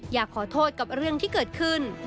อยากขอโทษกับเรื่องที่เกิดขึ้น